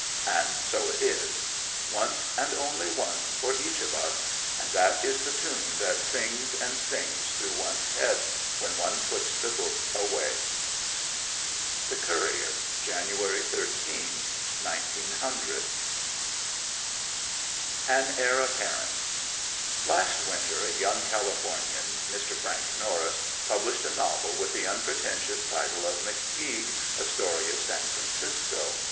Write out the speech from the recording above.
And so it is; once, and only once, for each of us; and that is the tune that sings and sings through one's head when one puts the book away. The Courier, January 13, 1900 AN HEIR APPARENT. Last winter a young Californian, Mr. Frank Norris, published a novel with the unpretentious title, "McTeague: a Story of San Francisco."